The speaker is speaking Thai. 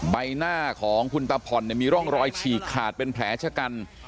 ใบหน้าของคุณตาผ่อนมีร่องรอยฉีกขาดเป็นแผลชะกัน